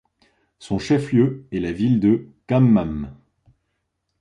Son chef-lieu est la ville de Khammam.